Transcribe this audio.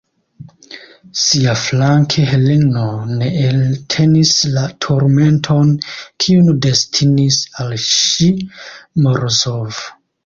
Siaflanke Heleno ne eltenis la turmenton, kiun destinis al ŝi Morozov.